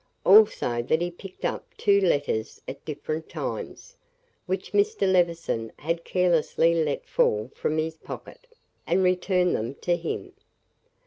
Also that he picked up two letters at different times, which Mr. Levison had carelessly let fall from his pocket, and returned them to him.